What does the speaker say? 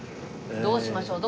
どうしましょう？